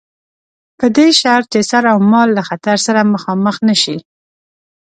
په دې شرط چې سر اومال له خطر سره مخامخ نه شي.